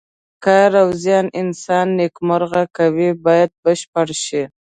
کار او زیار انسان نیکمرغه کوي باید بشپړ شي.